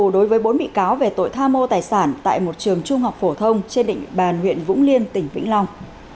đối với bốn bị cáo về tội tha mô tài sản tại một trường trung học phổ thông trên định bàn huyện vũng liên tỉnh vĩnh long